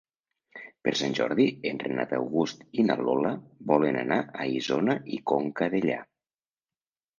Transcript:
Per Sant Jordi en Renat August i na Lola volen anar a Isona i Conca Dellà.